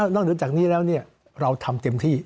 นอกจากนี้แล้วเนี่ยเราทำเต็มที่